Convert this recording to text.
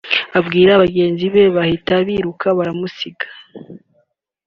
abwira bagenzi be bahita biruka baramusiga